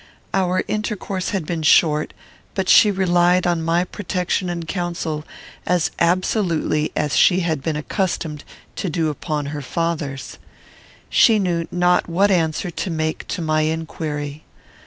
Our intercourse had been short, but she relied on my protection and counsel as absolutely as she had been accustomed to do upon her father's. She knew not what answer to make to my inquiry.